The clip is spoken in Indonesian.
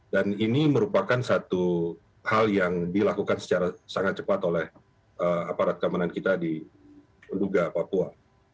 dan ini merupakan satu hal yang dilakukan secara sangat cepat oleh aparat keamanan kita di nduga papua